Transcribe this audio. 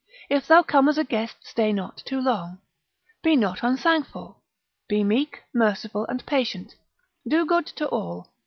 If thou come as a guest stay not too long. Be not unthankful. Be meek, merciful, and patient. Do good to all.